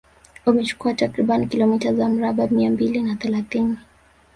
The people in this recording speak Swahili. Umechukua takribani kilomita za mraba mia mbili na thelathini